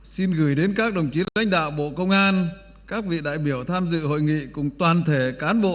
xin gửi đến các đồng chí lãnh đạo bộ công an các vị đại biểu tham dự hội nghị cùng toàn thể cán bộ